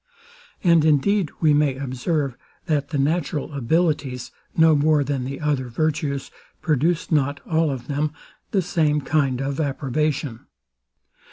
And indeed we may observe, that the natural abilities, no more than the other virtues, produce not, all of them, the same kind of approbation.